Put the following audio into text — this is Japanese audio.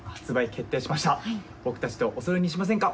決定しました僕たちとおそろいにしませんか？